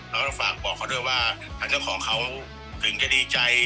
แล้วก็ฝากบอกเขาด้วยว่าทางเจ้าของเขาถึงจะดีใจ